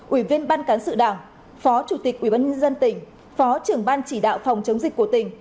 ủy viên ban cán sự đảng phó chủ tịch ubnd tỉnh phó trưởng ban chỉ đạo phòng chống dịch của tỉnh